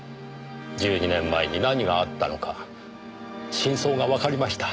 １２年前に何があったのか真相がわかりました。